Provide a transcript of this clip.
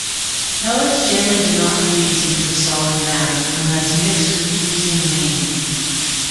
Pellets generally do not freeze into a solid mass unless mixed with freezing rain.